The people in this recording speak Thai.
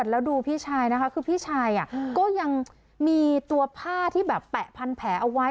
แล้วดูพี่ชายนะคะคือพี่ชายก็ยังมีตัวผ้าที่แบบแปะพันแผลเอาไว้